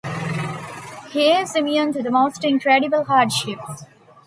He is immune to the most incredible hardships.